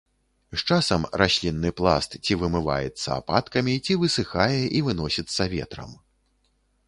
З часам раслінны пласт ці вымываецца ападкамі, ці высыхае і выносіцца ветрам.